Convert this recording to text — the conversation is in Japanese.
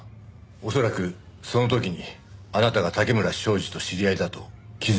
恐らくその時にあなたが竹村彰二と知り合いだと気づいたんでしょうね。